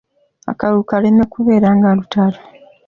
Akalulu kaleme kubeera nga lutalo.